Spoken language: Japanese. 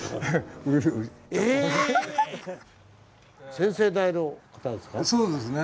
先々代の方ですか？